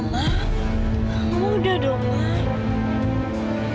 mama udah dong mak